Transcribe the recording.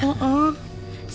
sebenernya sih ada ada